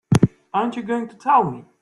Aren't you going to tell me?